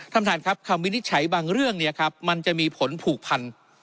ท่านท่านครับคำวินิจฉัยบางเรื่องเนี่ยครับมันจะมีผลผูกพัน